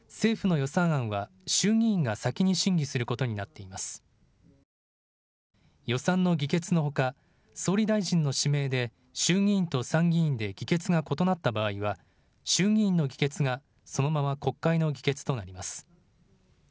予算の議決のほか総理大臣の指名で衆議院と参議院で議決が異なった場合は衆議院の議決がそのまま国会の議決となります。